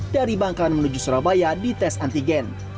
dari bangkalan menuju surabaya dites antigen